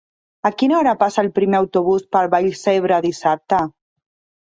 A quina hora passa el primer autobús per Vallcebre dissabte?